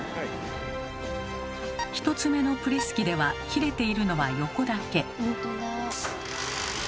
１つ目のプレス機では切れているのは横だけ。